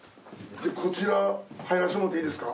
こちら入らせてもらっていいですか？